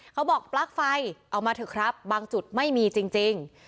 ปลั๊กไฟเอามาเถอะครับบางจุดไม่มีจริง